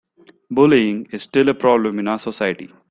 Bullying is still a problem in our society.